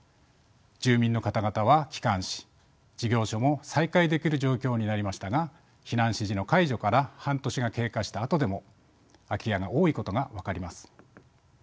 住民の方々は帰還し事業所も再開できる状況になりましたが避難指示の解除から半年が経過したあとでも空き家が多いことが分かります。